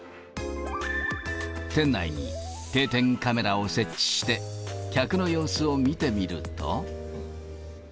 店内に定点カメラを設置して、客の様子を見てみると。